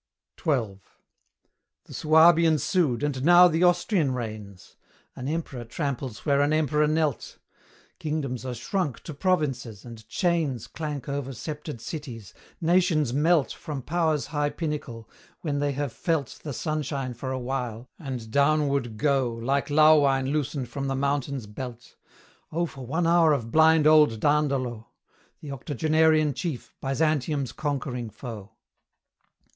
XII. The Suabian sued, and now the Austrian reigns An Emperor tramples where an Emperor knelt; Kingdoms are shrunk to provinces, and chains Clank over sceptred cities; nations melt From power's high pinnacle, when they have felt The sunshine for a while, and downward go Like lauwine loosened from the mountain's belt: Oh for one hour of blind old Dandolo! The octogenarian chief, Byzantium's conquering foe.